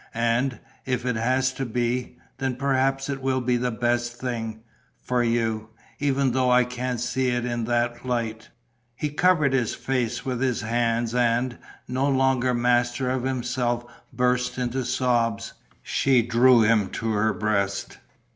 And, if it has to be ... then perhaps it will be the best thing ... for you.... Even though I can't see it in that light!..." He covered his face with his hands and, no longer master of himself burst into sobs. She drew him to her breast.